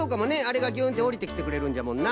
あれがぎゅんっておりてきてくれるんじゃもんな。